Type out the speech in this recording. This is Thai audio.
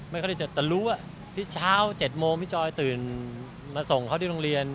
ไม่ค่อยได้เจอแต่รู้ว่าพี่เช้า๗โมงพี่จอยตื่นมาส่งเขาที่โรงเรียน